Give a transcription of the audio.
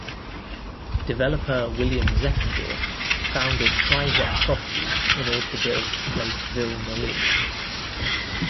Developer William Zeckendorf founded Trizec Properties in order to build Place Ville Marie.